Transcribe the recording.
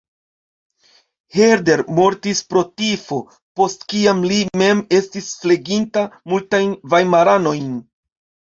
Herder mortis pro tifo post kiam li mem estis fleginta multajn vajmaranojn.